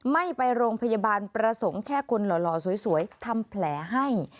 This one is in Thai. ไม่ไปโรงพยาบาลประสงค์แค่คนหล่อสวยทำแผลให้